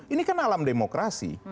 ini kan alam demokrasi